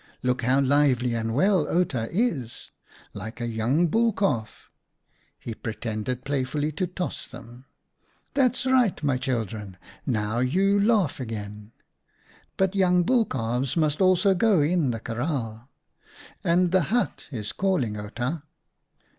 Look how lively and well Outa is — like a young bull calf!" He pretended playfully to toss them. "That's right, my THE OSTRICH HUNT 149 children, now you laugh again. But young bull calves must also go in the kraal, and the hut is calling Outa.